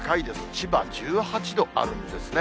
千葉１８度あるんですね。